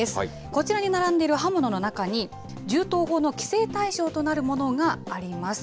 こちらに並んでいる刃物の中に、銃刀法の規制対象となるものがあります。